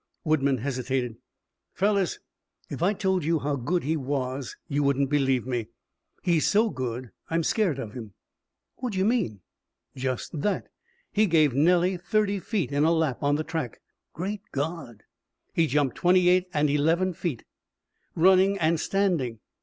Woodman hesitated. "Fellows, if I told you how good he was, you wouldn't believe me. He's so good I'm scared of him." "Whaddaya mean?" "Just that. He gave Nellie thirty feet in a lap on the track." "Great God!" "He jumped twenty eight and eleven feet running and standing.